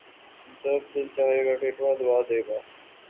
جب دل چاھے گا ، ٹنٹوا دبا دے گا